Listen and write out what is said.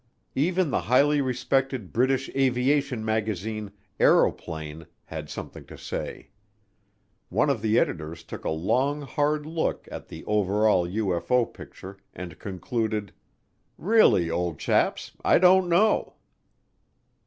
Even the highly respected British aviation magazine, Aeroplane, had something to say. One of the editors took a long, hard look at the over all UFO picture and concluded, "Really, old chaps I don't know."